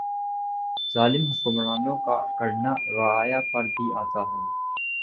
ظالم حکمرانوں کا کرنا رعایا پہ بھی آتا ھے